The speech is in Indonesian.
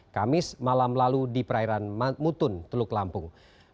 kamis malam lalu di perairan mutun teluk lampung